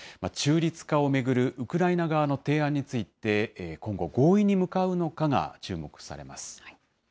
中立化を巡るウクライナ側の提案について、今後、合意に向かうのかが注目されます。